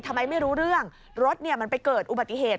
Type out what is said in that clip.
ทำไมไม่รู้เรื่องรถเนี้ยมันไปเกิดอุบัติเหตุ